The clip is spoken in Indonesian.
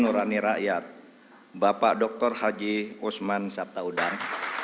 ketua umum partai rakyat bapak dr haji osman sabtaudang